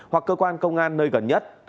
hoặc cơ quan công an nơi gần nhất